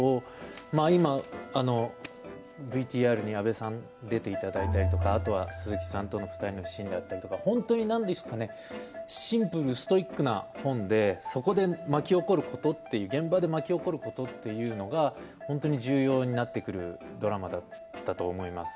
今、ＶＴＲに阿部さんが出ていただいたりとか鈴木さんとの２人のシーンがあったりとか本当にシンプルでストイックな本でそこで巻き起こることって現場で巻き起こることというのが本当に重要になってくるドラマだったと思います。